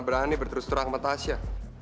pernah berani berterus terang sama tasya